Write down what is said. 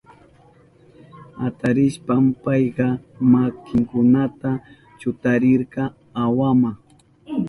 Atarishpan payka makinkunata chutarirka awama.